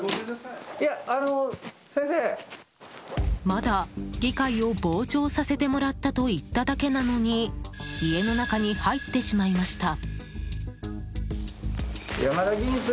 まだ、議会を傍聴させてもらったと言っただけなのに家の中に入ってしまいました。